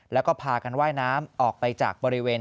แล้วก็พากันว่ายน้ำออกไปจากบริเวณ